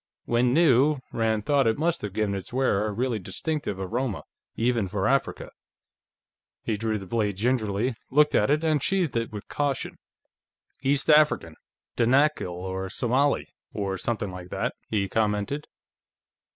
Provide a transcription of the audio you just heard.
When new, Rand thought, it must have given its wearer a really distinctive aroma, even for Africa. He drew the blade gingerly, looked at it, and sheathed it with caution. "East African; Danakil, or Somali, or something like that," he commented.